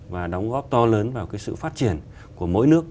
và đóng góp to lớn vào cái sự phát triển của mỗi nước